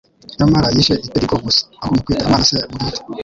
Nyamara yishe itegeko gusa ahubwo mu kwita Imana “Se bwite